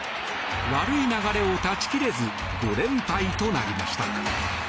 悪い流れを断ち切れず５連敗となりました。